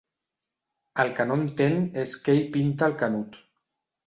El que no entén és què hi pinta el Canut.